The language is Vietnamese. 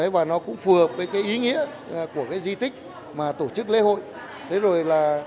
và nó cũng phù hợp với ý nghĩa của di tích mà tổ chức lễ hội